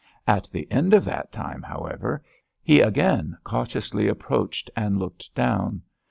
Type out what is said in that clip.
At the end of that time, however, he again cautiously approached and looked down.